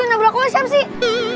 aduh nabrak gue siapa sih